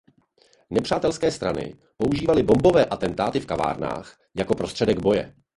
Nepřátelské strany používaly bombové atentáty v kavárnách jako prostředek boje.